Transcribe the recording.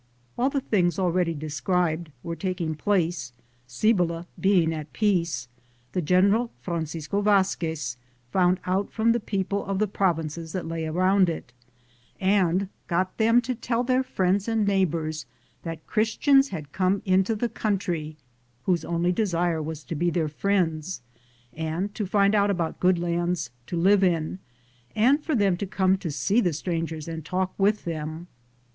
While the things already described were taking place, Cibola being at peace, the Gen eral Francisco Vazquez found out from the people of the province about the provinces that lay around it, and got them to tell their friends and neighbors that Christians had come into the country, whose only desire was to be their friends, and to find out about good lands to live in, and for them to come to see the strangers and talk with them.